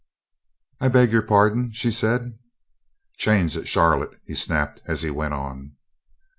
"I beg your pardon?" she said. "Change at Charlotte," he snapped as he went on.